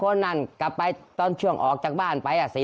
๒คนกลับไปตอนช่วงออกแบบออกแล้วไปเดี๋ยวเนี่ย